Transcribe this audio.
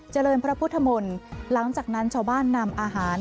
เจริญพระพุทธมนต์หลังจากนั้นชาวบ้านนำอาหาร